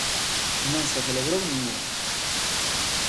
Non se celebrou ningún.